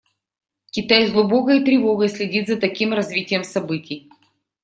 Китай с глубокой тревогой следит за таким развитием событий.